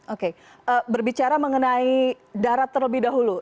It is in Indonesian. oke berbicara mengenai darat terlebih dahulu